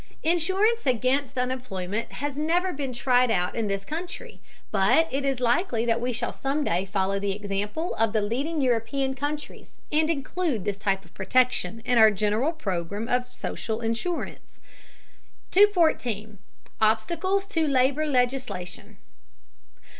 Insurance against unemployment has never been tried out in this country, but it is likely that we shall some day follow the example of the leading European countries, and include this type of protection in our general program of social insurance. 214. OBSTACLES TO LABOR LEGISLATION.